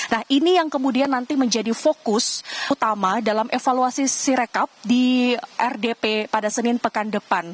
nah ini yang kemudian nanti menjadi fokus utama dalam evaluasi sirekap di rdp pada senin pekan depan